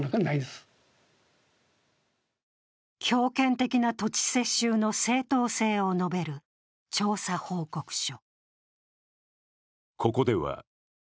強権的な土地接収の正当性を述べる調査報告書。